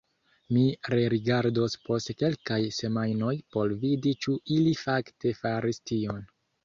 Mi rerigardos post kelkaj semajnoj por vidi ĉu ili fakte faris tion.